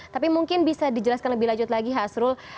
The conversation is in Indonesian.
tapi mungkin bisa dijelaskan lebih lanjut lagi hasrul